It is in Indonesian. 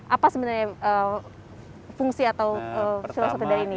apa sebenarnya fungsi atau filosofi dari ini